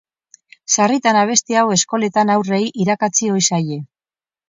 Sarritan abesti hau eskoletan haurrei irakatsi ohi zaie.